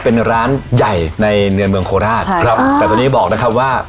เป็นร้านใหญ่ในเนือนเมืองโคราชใช่ครับแต่ตอนนี้บอกนะครับว่า